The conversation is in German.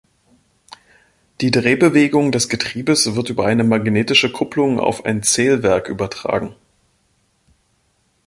Die Drehbewegung des Getriebes wird über eine magnetische Kupplung auf ein Zählwerk übertragen.